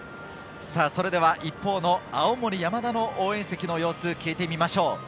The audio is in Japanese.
それでは一方の青森山田の応援席の様子、聞いてみましょう。